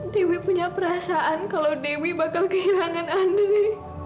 dewi punya perasaan kalau dewi bakal kehilangan ani